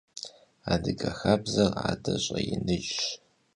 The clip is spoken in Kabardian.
Adıge xabzer ade ş'einıjş.